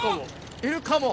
・いるかも？